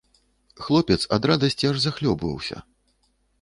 Хлопец ад радасці аж захлёбваўся.